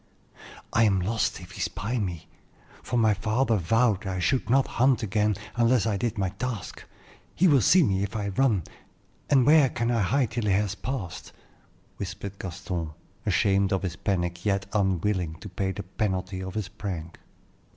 "I am lost if he spy me, for my father vowed I should not hunt again unless I did my task. He will see me if I run, and where can I hide till he has past?" whispered Gaston, ashamed of his panic, yet unwilling to pay the penalty of his prank.